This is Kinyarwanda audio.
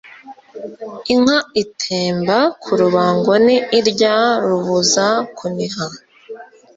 Inka itemba ku rubangoNi irya Rubuzakuniha